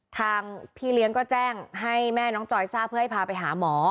ทางพี่เลี้ยงก็แจ้งให้แม่น้องจอยทราบเพื่อให้พาไปหาหมอ